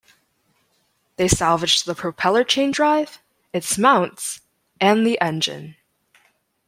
They salvaged the propeller chain drive, its mounts, and the engine.